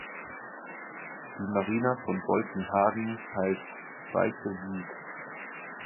Die Marina von Boltenhagen heist Weiße Wiek.